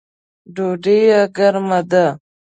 ډوډۍ ګرمه ده